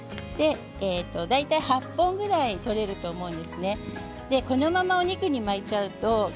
８本ぐらい取れると思うんですね。